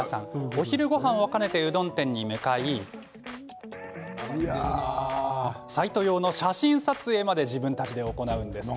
お昼ごはんを兼ねてうどん店に向かいサイト用の写真撮影まで自分たちで行うんです。